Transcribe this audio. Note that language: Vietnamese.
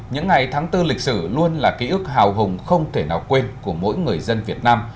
những ngày tháng bốn lịch sử luôn là ký ức hào hùng không thể nào quên của mỗi người dân việt nam